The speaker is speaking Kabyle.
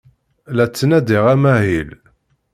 La ttnadiɣ amahil.